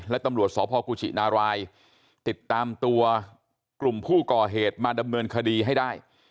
และตำรวจสพกุชินารายติดตามตัวกลุ่มผู้ก่อเหตุมาดำเนินคดีให้ได้